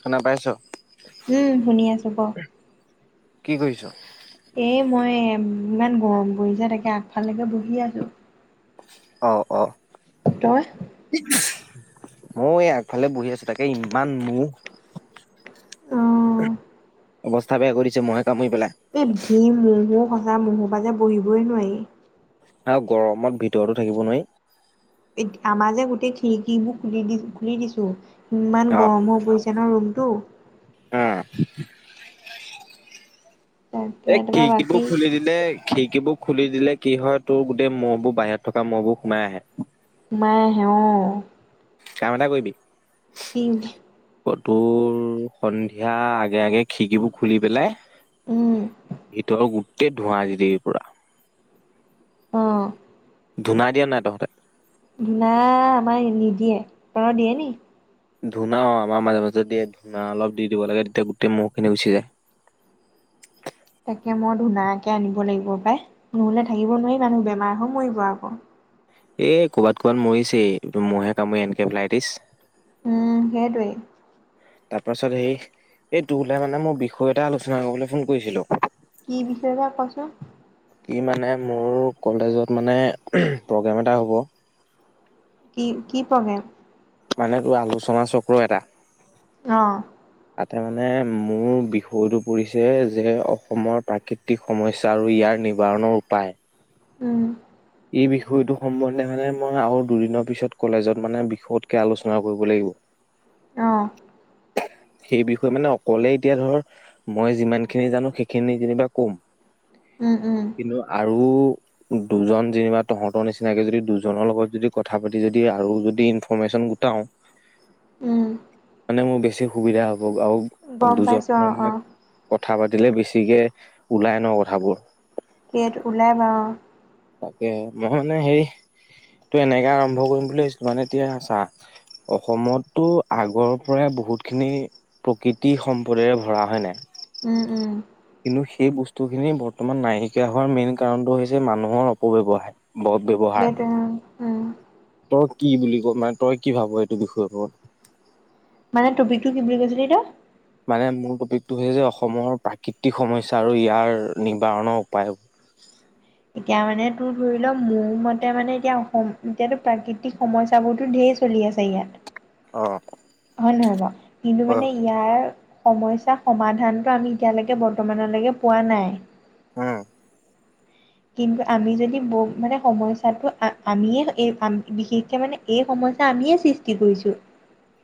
শুনা পাইছ? উম শুনি আছো ক কি কৰিছ? এ মই ইমান গৰম পৰিছে তাকে আগফালেকে বহি আছো। অ অ। তই? মই এই আগফালে বহি আছো, তাকে ইমান মহ! অৱস্থা বেয়া কৰি দিছে মহে কামুৰি পেলাই। এই যি ম'হ ঔ সঁচা ম'হৰ পৰা যে বহিবই নোৱাৰি। আৰু গৰমত ভিতৰতো থাকিব নোৱাৰি। এ আমাৰ যে গোটেই খিৰিকী বোৰ খুলি দি খুলি দিছো ইমান অ গৰমো পৰি [unintelligible] ৰুমটো। আ। তাকে এই তোমাৰ খিৰিকিবোৰ বাকী খুলি দি লে খিৰিকিবোৰ খুলি দিলে কি হয় তোৰ গোটেই মহ'বোৰ বাহিৰত থকা মহ'বোৰ সোমাই আহে। সোমাই আহে অঁ। কাম এটা কৰিবি কি? অ তোৰ সন্ধিয়া আগে আগে খিকিবোৰ খুলি পেলাই, উম ভিতৰৰ গোটেই ধোঁৱা দি দিবি পোৰা। অঁ। ধূনা দিয় নে নাই তহঁতে? ধূনা আমাৰ নিদিয়ে, তহঁত দিয়ে নি? ধূনা অঁ আমাৰ মাজে মাজে দিয়ে, ধূনা অলপ দি দিব লাগে তেতিয়া গোটেই ম'হ খিনি গুচি যায়। তাকে মই ধূনাকে আনিব লাগিব পাই, নহ'লে থাকিব নোৱাৰি মানুহ বেমাৰ হৈ মৰিব আকৌ। এই ক'ৰবাত ক'ৰবাত মৰিছেই ম'হে কামুৰি এন কে ফ্লাইটিজ। উম সেইটোৱেই। তাৰপাছত হেৰি, এই তোলে মানে মোৰ বিষয় এটা আলোচনা কৰিবলে ফোন কৰিছিলো। কি বিষয় বা কচোন? কি মানে মোৰো কলেজত মানে প্ৰগ্ৰেম এটা হ'ব। কি কি প্ৰগ্ৰেম? মানে তোৰ আলোচনা চক্ৰ এটা। অঁ। তাতে মানে মোৰ বিষয়টো পৰিছে যে অসমৰ প্ৰাক প্ৰাকৃতিক সমস্যা আৰু ইয়াৰ নিবাৰণৰ উপায়। উম। এই বিষয়টো সম্বন্ধে মানে মই আৰু দুদিনৰ পিছত কলেজত মানে বিষধকে আলোচনা কৰিব লাগিব। অঁ। সেই বিষয়ে মানে অকলে এতিয়া ধৰক, মই যিমানখিনি জানো সেইখিনি যেনিবা কম উম, উম। কিন্তু আৰু দুজন যেনিবা, তহঁতৰ নিচিনাকৈ যদি দুজনৰ লগত যদি, কথা পাতি যদি আৰু যদি ইনফৰমেশ্যন গোটাও উম মানে মোৰ বেছি সুবিধা হ'ব। আৰু গম পাইছো দুজনৰ অ অ মানে কথা পাতিলে বেছিকেই ওলাই ন' কথাবোৰ ইয়াত ওলাই বাৰু। তাকে, মই মানে হেৰি, সেইটো এনেকে আৰম্ভ কৰিম বুলি ভাবিছোঁ। মানে এতিয়া চা অসমতটো আগৰ পৰাই বহুতখিনি প্ৰাকৃতিক সম্পদেৰে ভৰা। হয় নে নাই? উম, উম। কিন্তু সেই বস্তুখিনি বৰ্তমান নাইকিয়া হোৱাৰ মেইন কাৰণটো হৈছে, মানুহৰ অপব্যৱহাৰ। সদব্যৱহাৰ, সেইটো উম তই কি বুলি ক, মানে তই কি ভাব এইটো বিষয়ৰ ওপৰত? মানে টপিকটো কি বুলি কৈছিলি তই? মানে মূল টপিকটো সেই যে, অসমৰ প্ৰাকৃতিক সমস্যা আৰু ইয়াৰ নিবাৰণৰ উপায়। এতিয়া মানে তোৰ ধৰি ল, মোৰ মতে মানে, এতিয়া অসমত এতিয়াতো প্ৰাকৃতিক সমস্যা বোৰতো ধেৰ চলি চলি আছে ইয়াত। অ', হয় নে নহয় বা, কিন্তু হয়, মানে ইয়াৰ সমস্যা সমাধানটো আমি এতিয়ালৈকে বৰ্তমানলৈকে পোৱা নাই। উম, কিন্তু আমি যদি ব মানে সমস্যাটো আ-আমিয়ে বিশেষকে মানে এই সমস্যা আমিয়ে সৃষ্টি কৰিছোঁ।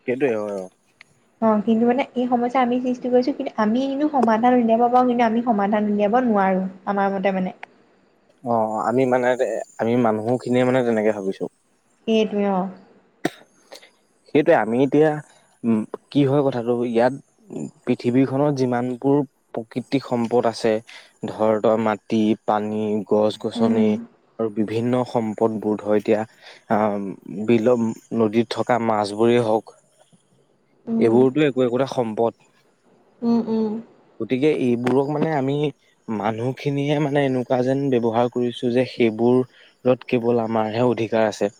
সেইটোয়ে হয়। অ', কিন্তু মানে এই সমস্যা আমিয়েই সৃষ্টি কৰিছোঁ। কিন্তু আমি কিন্তু সমাধান উলিয়াব পাৰো, কিন্তু আমি সমাধান উলিয়াব নোৱাৰো। আমাৰমতে মানে। অ', আমি মানে যে, আমি মানুহখিনিয়ে মানে তেনেকে ভাবিছোঁ। সেইটোৱে অ'। সেইটোৱে, আমি এতিয়া উম, কি হয় কথাটো ইয়াত পৃথিৱীখনত যিমানবোৰ প্ৰাকৃতিক সম্পদ আছে ধৰ তোৰ মাটি, পানী, গছ- উম, গছনি আৰু বিভিন্ন সম্পদ সম্পদ বোধ হয় এতিয়া বিল নদীত থকা মাছবোৰেই হওঁক উম, এইবোৰতো একো একোটা সম্পদ। উম, উম। গতিকে এইবোৰক মানে আমি মানুহখিনিয়ে মানে এনেকুৱা যেন ব্যৱহাৰ কৰিছোঁ যে সেইবোৰ য'ত কেৱল আমাৰহে অধিকাৰ আছে।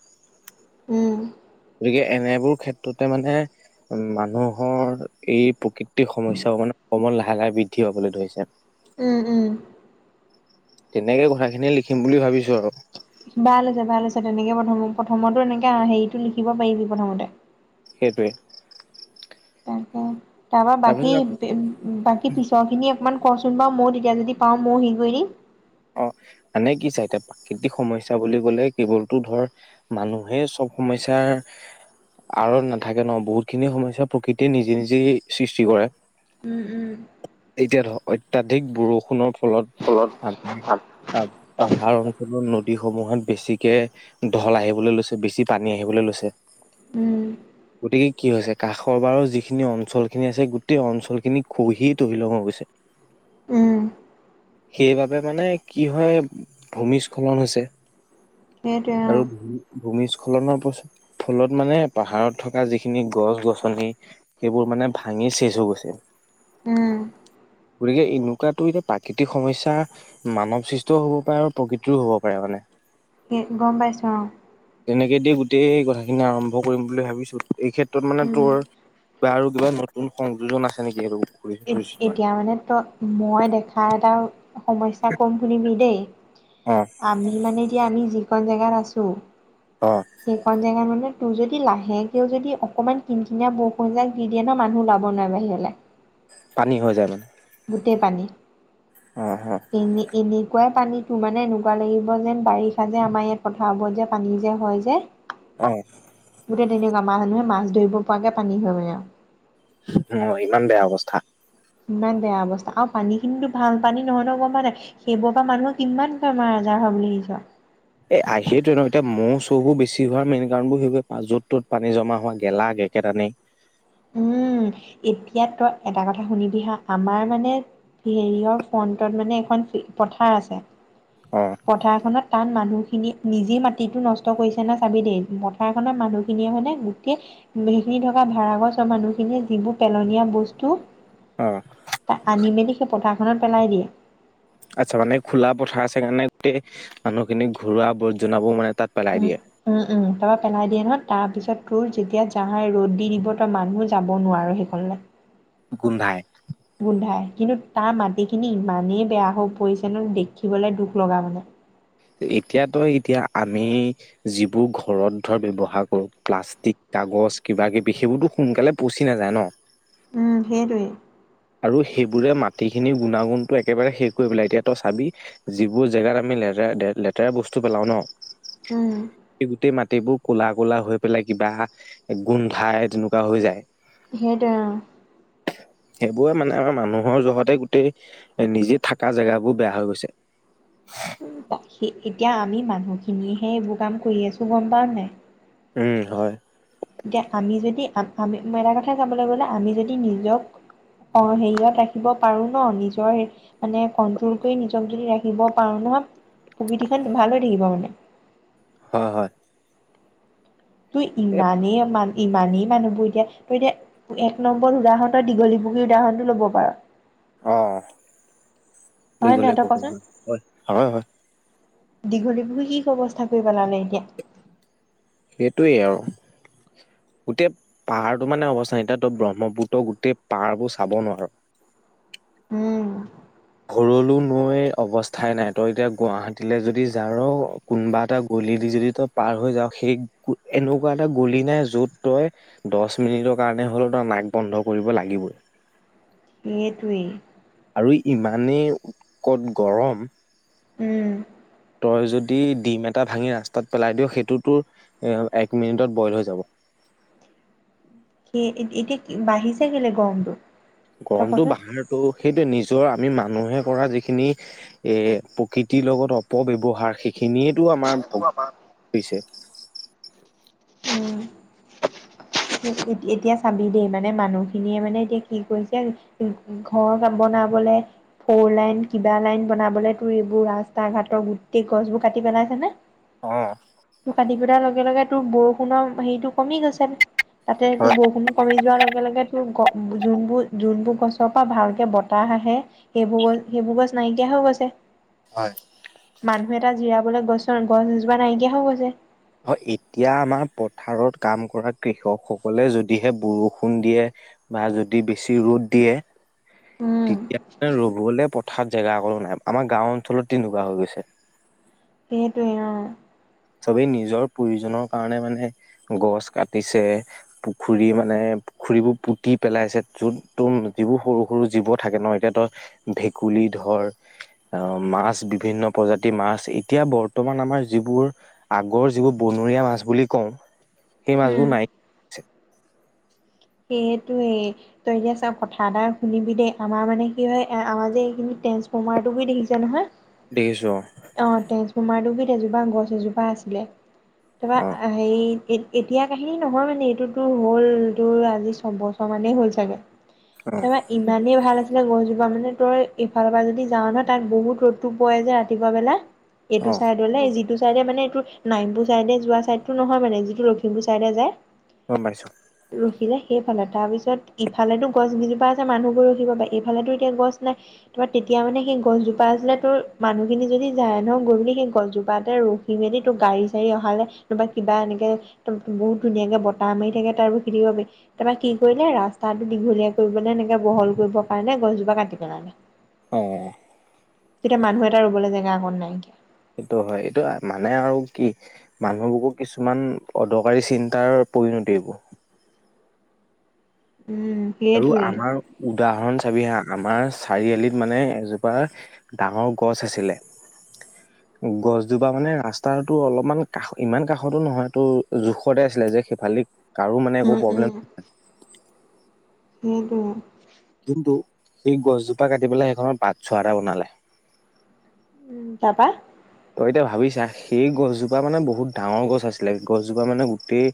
উম। গতিকে এনেবোৰ ক্ষেত্ৰতে মানে উম, মানুহৰ এই প্ৰকৃতিৰ সমস্যবোৰ মানে অসমত লাহে লাহে বৃদ্ধি হবলৈ ধৰিছে। উম, উম। তেনেকে কথাখিনি লিখিম বুলি ভাবিছোঁ আৰু। ভাল হৈছে, ভাল হৈছে। তেনেকে প্ৰথম, প্ৰথমতো এনেকে হেৰিটো লিখিব পাৰিবি প্ৰথমতে। সেইটোৱে। তাকে তাৰ পৰা বাকী তাৰপিছত বাকী পিছৰখিনি অকমান কোৱাচোন বাৰু মই তেতিয়া যদি পাওঁ মইয়ো হেৰি কৰি দিম। অহ, মানে কি চা এতিয়া প্ৰাকৃতিক সমস্যা বুলি ক'লে কেৱলটো ধৰ মানুহে চব সমস্যাৰ আৰত নাথাকে ন' বহুতখিনি সমস্যা প্ৰকৃতিয়ে নিজে নিজেই সৃষ্টি কৰে। উম', উম'। এতিয়া ধৰ অত্যধিক বৰষুণৰ ফলত আমাৰ ফলত পাহাৰ অ নদীসমূহত বেছিকে ঢল আহিবলৈ লৈছে, বেছি পানী আহিবলৈ লৈছে। উম, গতিকে কি হৈছে কাষৰ বাৰু যিখিনি অঞ্চলখিনি আছে গোটেই অঞ্চলখিনি খহি তহিলং হৈ গৈছে। উম, সেইবাবে মানে কি হয়, ভূমিস্খলন হৈছে। সেইটোৱে অ, আৰু ভূমিস্খলনৰ ফলত মানে পাহাৰত থকা যিখিনি গছ-গছনি সেইবোৰ মানে ভাঙি চেচ হৈ গৈছে। উম, গতিকে এনেকুৱাতো এতিয়া প্ৰাকৃতিক সমস্যা মানৱ সৃষ্টও হ'ব পাৰে আৰু প্ৰকৃতিৰও হ'ব পাৰে মানে। কি! গম পাইছোঁ অহ। তেনেকে দিয় গোটেই কথাখিনি আৰম্ভ কৰিম বুলি ভাবিছিল। এই ক্ষেত্ৰত মানে উম, তোৰ বা আৰু কিবা নতুন সংযোজন আছে নেকি আৰু? এ-এতিয়া মানে তই, মই দেখা এটা স-সমস্যা ক'ম শুনিবি দেই। অহ। আমি মানে এতিয়া আমি যিখন জেগাত আছোঁ। অহ। সেইখন জেগাত মানে তোৰ যদি লাহে কেও যদি অকমান কিন-কিনিয়া বৰষুণ এজাক দি দিয়ে ন' মানুহ ওলাব নোৱাৰে বাহিৰলে। পানী হৈ যায় মানে। গোটেই পানী। অ এনে-এনেকুৱা পানীটো মানে এনেকুৱা লাগিব যেন বাৰিষা যে আমাৰ ইয়াত পথাৰবোৰত যে পানী যে হয় যে। অহ। গোটেই তেনেকুৱা, মা-মানুহে মাছ ধৰিব পৰাকে পানী হয় মানে আৰু। অহ, ইমান বেয়া অৱস্থা। ইমান বেয়া অৱস্থা আৰু পানীখিনিতো ভাল পানী নহয় ন' গম পোৱানে নাই। সেইবোৰৰ পৰা মানুহৰ কিমান বেমাৰ আজাৰ হয় বুলি ভাবিছ। এই আহে সেইতোৱে ন' এতিয়া মৌ-চৌও বেছি হোৱাৰ মেইন কাৰণবোৰ সেইবোৰে য'ত ত'ত পানী জমা হোৱা গেলা-গেকেট আনে উম, এতিয়া তই এটা কথা শুনিব হা! আমাৰ মানে হেৰিয়ৰ ফ্ৰণ্টত মানে এখন পথাৰ আছে। অহ। পথাৰখনত তাত মানুহখিনি নিজে মাটিতো নষ্ট কৰিছে না চাবি দেই পথাৰখনত মানুহ খিনিয়ে মানে গোটেই সেইখিনি থকা ভাড়া গছৰ মানুহখিনিয়ে যিবোৰ পেলনীয়া বস্তু অহ। তাত আনি-মেলি সেই পথাৰখনত পেলাই দিয়ে। আচ্ছা মানে খোলা পথাৰ আছে কাৰণে গোটেই মানুহখিনি ঘৰুৱা আবৰ্জনাবোৰ মানে তাত পেলাই উম দিয়ে উম', উম' তাৰাপৰা পেলাই দিয়ে নহয় তাৰপিছত তোৰ যেতিয়া জাহা ৰ'দ দি দিব, তই মানুহ যাব নোৱাৰো সেইখনলে। গোন্ধাই। গোন্ধাই কিন্তু তাৰ মাটিখিনি ইমানেই বেয়া হৈ পৰিছে ন দেখিবলৈ দুখ লগা মানে। এতিয়াতো এতিয়া আমি- যিবোৰ ঘৰত ধৰ ব্যৱহাৰ কৰো প্লাষ্টিক কাগজ কিবা কিবি সেইবোৰতো সোনকালে পচি নাযায় ন। উম' সেইটোৱেই। আৰু সেইবোৰে মাটিখিনিৰ গুণাগুণতটো একেবাৰে শেষ কৰি পেলাই, এতিয়া তই চাবি- যিবোৰ জেগাত আমি লেতেৰা লেতেৰা বস্তু পেলাও ন, উম সেই গোটেই মাটিবোৰ- কু'লা কু'লা হৈ পেলাই কিবা গোন্ধাই তেনেকুৱা হৈ যায়। সেইটোৱে অঁ'। সেইবোৰে মানে আও মানুহৰ জহতে গোটেই এ নিজে থাকা জেগাবোৰ বেয়া হৈ গৈছে। [inaudible] উম' বাসী এতিয়া আমি মানুহখিনিয়েহে এইবোৰ কাম কৰি আছোঁ গম পোৱা নাই। উম' হয়। এতিয়া আমি যদি আমি ময় এটা কথা চাবল গ'লে, আমি যদি নিজক- অঁ' হেৰিয়ত ৰাখিব পাৰো ন, নিজৰ সেই- মানে কণ্ট্ৰল কৰি নিজক যদি ৰাখিব পাৰো নহয়, প্ৰকৃতি খন ভাল হৈ থাকিব মানে। হয় হয়। তোৰ এ ইমানেই মান- ইমানেই মানুহবোৰ এতিয়া তই এতিয়া এক নম্বৰ উদাহৰণৰ দীঘলী পুগীৰ উদাহৰণটো ল'ব পাৰ। অঁ' হয় নহয় দীঘলী তই কচোন পুখুৰীটো, হয় হয়। দীঘলী পুখুৰীক কি অৱস্থা কৰি পেলালে এতিয়া? সেইটোৱেই অঁ'। গোটেই পাহাৰ টো মানে অৱস্থা নাই এতিয়া তই ব্ৰহ্মপুত্ৰৰ গোটেই পাহাৰ বোৰ চাব নোৱাৰ। উম' ভৰলো নৈ অৱস্থাই নাই, তই এতিয়া গুৱাহাটীলৈ যদি যাৰ- কোনোবা এটা গলি দি যদি তই পাৰ হৈ যাও, সেই এনেকুৱা এটা গলি নাই য'ত তই- দহ মিনিটৰ কাৰণে হ'লেও তাৰ নাক বন্ধ কৰিব লাগিবই। এইটোৱেই। আৰু ইমানেই উৎকট গৰম- উম' তই যদি ডিম এটা ভাঙি ৰাস্তাত পেলাই দিও সেইটো তোৰ এ এক মিনিটত বইল হৈ যাব। সিয়ে এতিয়া বাঢ়িছে কেলে গৰমটো? তই গৰমটো কচোন বাহাৰতো সেইটোয়ে নিজৰ আমি মানুহে কৰা যিখিনি- এ প্ৰকৃতিৰ লগত অপব্যৱহাৰ সেইখিনিয়েটো আমাৰ অ ক পিছে। উম এতিয়া চাবি দেই মানে মানুহখিনিয়ে মানে এতিয়া কি কৰিছে- ঘৰ বনাবলে- ফৰ লাইন কিবা লাইন বনাবলে তোৰ এইবোৰ ৰাস্তা ঘাটৰ গোটেই গছবোৰ কাটি পেলাইছেনে? অঁ' তোৰ কাতি পেলাই লগে-লগে তোৰ বৰষুণৰ হেৰিটো কমি গৈছে। তাতেটো হয়, বৰষুণটো কমি যোৱাৰ লগে লগে- তোৰ গ যোনবোৰ-যোনবোৰ গছৰ পৰা ভালকে বতাহ আহে- সেইবোৰ গছ সেইবোৰ গছ নাইকিয়া হৈ গৈছে। হয়। মানুহ এটা জিৰাবলৈ গছৰ গছ এজোপা নাইকিয়া হৈ গৈছে। অ এতিয়া আমাৰ পথাৰত কাম কৰা কৃষক সকলে যদিহে বৰষুণ দিয়ে- বা যদি বেছি ৰ'দ দিয়ে- উম [unintelligible] ৰুবলে পথাৰত জেগা অকো নাই আমাৰ গাঁও অঞ্চলত তেতিনেকুৱা হৈ গৈছে। সেইটোৱে অ। চবেই নিজৰ প্ৰয়োজনৰ কাৰণে মানে গছ কাটিছে পুখুৰী মানে পুখুৰীবোৰ পুতি পেলাইছে, য'ত তোৰ যিবোৰ সৰু সৰু জীৱ থাকে ন' এতিয়া তই ভেকুলী ধৰ অ' মাছ বিভিন্ন প্ৰজাতিৰ মাছ, এতিয়া বৰ্তমান আমাৰ যিবোৰ আগৰ যিবোৰ বনৰীয়া মাছ বুলি কওঁ, সেই উম মাছবোৰ নাই সেইটোৱে তই এতিয়া চা কথা এটা শুনিবি দেই, আমাৰ মানে কি হয় আমাৰ যে এইখিনি তেনচ ফোমাৰ তো দেখিছো নহয়? দেখিছো অ। অ তেট্ৰেজপুমাৰ দুবিত এজোপা গছ এজোপা আছিলে অ তাৰপৰা হেই এ-এতিয়া কাহিনী নহয় মানে এইটোতো হ'ল তোৰ আজি ছবছৰ মানেই হ'ল চাগে, অ তাৰপা ইমানেই ভাল আছিলে গছজোপা মানে তই এইফালৰ পৰা যদি যাও নহয় তাত বহুত ৰ'দটো পোৱা যায় ৰাতি পুৱা বেলা এইটো অ চাইদ মানে যিটো চাইডে মানে এইটো নাইমপুৰ চাইডে যোৱা চাইডটো নহয় মানে যিটো লখিমপুৰ চাইডে যায় গম পাইছোঁ। ৰখিলে সেইফালে, তাৰপিছত ইফালেতো গছ কেইজোপা আছে মানুহবোৰ ৰখিব পাৰে ইফালেতো এতিয়া গছ নাই তোমাৰ তেতিয়া মানে সেই গছজোপা আছিলে তোৰ মানুহখিনি যদি যায় ন' গৈ পিনে সেই গছজোপাতে ৰ ৰখি মেলি তোৰ গাড়ী-চাৰী অহালে নহবা কিবা এনেকেম বহুত ধুনীয়াকে বটা মাৰি থাকে তাৰ [unintelligible] তাৰপৰা কি কৰিলে? ৰাস্তাটো দীঘলীয়া কৰিবলৈ এনেকে বহল কৰিব কাৰণে গছজোপা কাটি পেলালে। অ। এতিয়া মানুহ এটা ৰ'বলৈ জেগা অকন নাইকিয়া। এইটো হয় এইটো মানে আৰু কি মানুহবোৰ কিছুমান অদৰকাৰী চিন্তাৰ পৰিণতি এইবোৰ। উম। আৰু সেইটোৱেই আমাৰ উদাহৰণ চাবি হা, আমাৰ চাৰিআলিত মানে এজোপা ডাঙৰ গছ আছিলে, গছজোপা মানে ৰাস্তাটোৰ অলপমান কাষ ইমান কাষতো নহয় তো জোখতে আছিলে যে সেইফালেদি কাৰো মানে একো উম উম প্ৰব্লেম সেইটোৱে। কিন্তু এই গছজোপা কাটি পেলাই সেইখনত বাটচ'ৰা এটা বনালে। উম তাৰপা তই এতিয়া ভাবি ছা সেই গছজোপা মানে বহুত ডাঙৰ গছ আছিলে, গছজোপা মানে গোটেই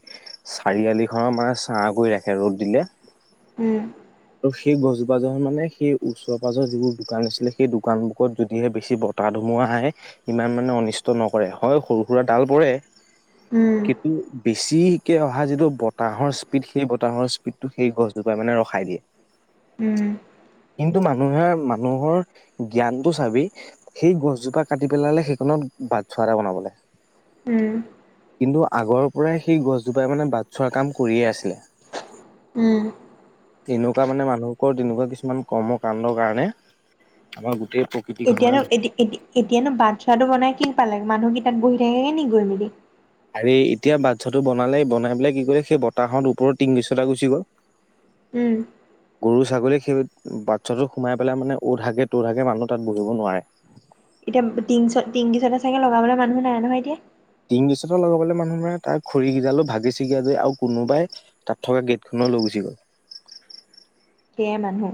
চাৰিআলি খনৰ মানে ছাঁ কৰি ৰাখে ৰ'দ দিলে। উম। আৰু সেই গছজোপা জন মানে সেই ওচৰে পাঁজৰে যিবোৰ দোকান আছিলে সেই দোকানবোৰকত যদিহে বেছি ব তাহ ধুমুহা আহে ইমান মানে অনিষ্ট নকৰে, হয় সৰু-সুৰা ডাল পৰে উম কিন্তু বেছি কে অহা যিটো বতাহৰ স্পীড সেই বতাহৰ স্পীডটো সেই গছজোপাই মানে ৰখাই দিয়ে। উম। কিন্তু মানুহে মানুহৰ জ্ঞানটো চাবি সেই গছজোপা কাটি পেলালে সেইকণত বাটচ'ৰা এটা বনাবলৈ। উম। কিন্তু আগৰ পৰাই সেই গছজোপাই মানে বাটচ'ৰা কাম কৰিয়ে আছিলে। উম। এনেকুৱা মানে মানুহৰ তেনেকুৱা কিছুমান কৰ্ম কণ্ডৰ কাৰণে আমাৰ গোটেই প্ৰকৃতিখন এতিয়ানো মানে ধ্বং এতি এতিয়ানো বাটচ'ৰাটো বনাই কি পালে, মানুহ কি বহি থাকেগৈ নি গৈ মেলি? আৰু এই এতিয়া বাটচ'ৰাটো বনালে বনাই পেলাই কি কৰিলে সেই বতাহত ওপৰত টিংকিচটা গুছি গ'ল! উম। গৰু ছাগলী সেই বাটচ'ৰাটো সোমাই পেলাই মানে অ'ত হাগে ত'ত হাগে মানুহ তাত বহিব নোৱাৰে। এতিয়া টিংকিচতা টিংকিচতা চাগে লগাবলৈ মানুহ নাই নহয় এতিয়া? টিংকিচতা লগাবলে মানুহ নাই তাৰ খৰিকেইডালো ভাগি ছিগি দি আৰু কোনোবাই তাত থকা গেটখনো লৈ গুচি গ'ল! সেইয়াই মানুহ।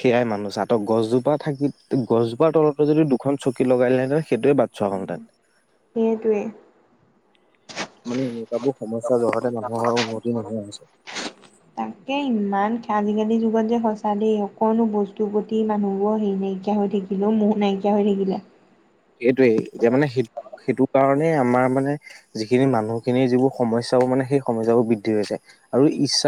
সেইয়াই মানুহ, চা তই গছজোপা থাকি গছজোপাৰ তলতো যদি দুখন চকী লগাই দিলেহেঁতেন সেইটোৱে বাট চ'ৰা হ'লহেঁতেন। সেইটোৱে মানে সেইবোৰ সমস্যাৰ জহতে মানুহৰ উন্নতি নোহোৱা হৈছে! তাকে, ইমান আজি কালি যুগত যে সঁচা দেই অকণো বস্তু প্ৰতি মানুহবোৰৰ হেৰি নাইকিয়া হৈ থাকি ব মোহ নাইকিয়া হৈ থাকিলে! সেইটোৱেই। এতিয়া মানে সেই সেইটো কাৰণেই আমাৰ মানে যিখিনি মানুহখিনিৰ যিবোৰ সমস্যাবোৰ মানে সেই সমস্যাবোৰ বৃদ্ধি হৈছে। আৰু ইচ্ছা